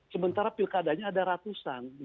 sementara pilkadanya ada ratusan